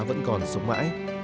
vẫn còn sống mãi